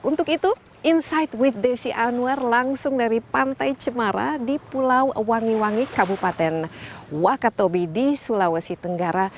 untuk itu insight with desi anwar langsung dari pantai cemara di pulau wangi wangi kabupaten wakatobi di sulawesi tenggara